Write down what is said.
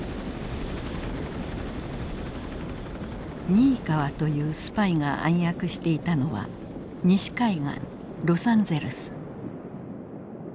ニイカワというスパイが暗躍していたのは西海岸ロサンゼルス。